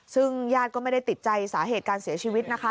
ซึ่งญาติก็ไม่ได้ติดใจสาเหตุการเสียชีวิตนะคะ